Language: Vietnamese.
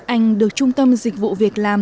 anh được trung tâm dịch vụ việc làm